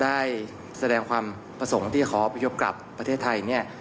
ได้แสดงความประสงค์ที่ขอไปยอบกลับประเทศไทย